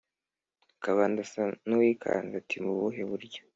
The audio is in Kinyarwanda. kabanda asa nuwikanze ati"mubuhe buryo